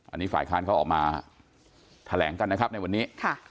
อันนี้ฝ่ายค้านเขาออกมาแถลงกันนะครับในวันนี้